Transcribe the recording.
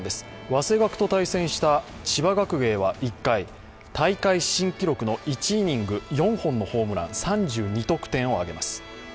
わせがくと対戦した千葉学芸は１回、大会新記録の１イニング４本のホームラン３２得点を挙げます。